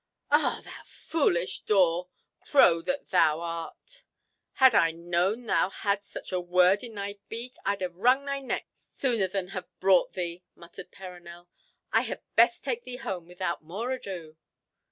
"Ah! thou foolish daw! Crow that thou art! Had I known thou hadst such a word in thy beak, I'd have wrung thy neck sooner than have brought thee," muttered Perronel. "I had best take thee home without more ado."